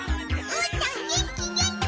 うーたんげんきげんき！